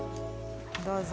どうぞ。